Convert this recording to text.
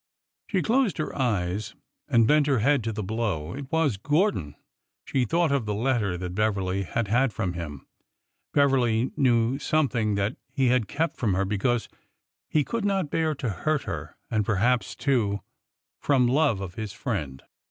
'' She closed her eyes and bent her head to the blow. It was Gordon! She thought of the letter that Beverly had had from him. Beverly knew something that he had kept from her because he could not bear to hurt her, and, perhaps, too, from love of his friend.